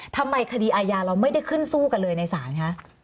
ทำไมคดีอายาเราไม่ได้ขึ้นสู้กันเลยในศาลคะ